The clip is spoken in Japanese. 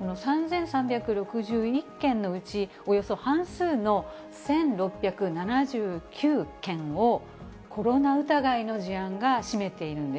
３３６１件のうち、およそ半数の１６７９件を、コロナ疑いの事案が占めているんです。